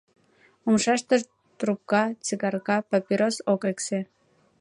Умшаштышт трубка, цигарка, папирос ок эксе.